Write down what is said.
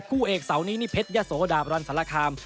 คู่เอกเสานี้นี่เพชรยะโสดาบรันสารคาม